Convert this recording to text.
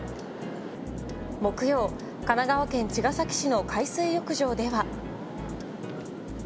木曜、神奈川県茅ヶ崎市の海水浴場では。